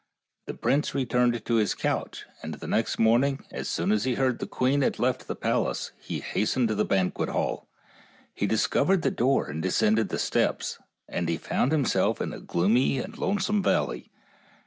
The prince returned to his couch, and the next morning, as soon as he heard the queen had left 64 FAIKY TALES the palace, he hastened to the banquet hall. He discovered the door and descended the steps, and he found himself in a gloomy and lonesome val ley.